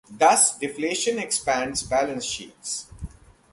Thus, deflation expands balance sheets.